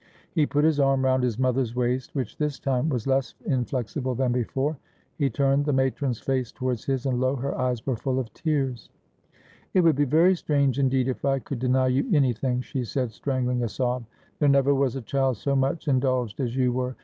He put his arm round his mother's waist, which, this time, was less inflexible than before. He turned the matron's face towards his, and, lo ! her eyes were full of tears. ' It would be very strange, indeed, if I could deny you any thing,' she said, strangling a sob. ' There never was a child so much indulged as you were.